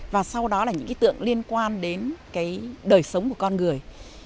và sau đó là những cái tượng liên quan đến cái đời sống của con người